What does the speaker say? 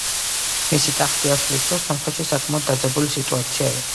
მისი ტახტზე ასვლის დროს სომხეთში საკმაოდ დაძაბული სიტუაცია იყო.